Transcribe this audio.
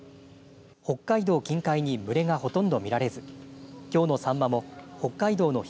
北海道近海に群れがほとんど見られずきょうのサンマも北海道の東